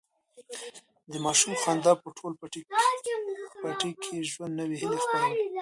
د ماشوم خندا په ټول پټي کې د ژوند نوي هیلې خپرولې.